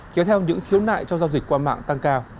kéo theo những khiếu nại trong giao dịch qua mạng tăng cao